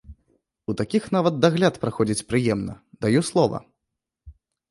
У такіх нават дагляд праходзіць прыемна, даю слова!